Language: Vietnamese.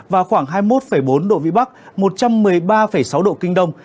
và khoảng hai mươi một bốn độ vĩ bắc một trăm một mươi ba sáu độ kinh đông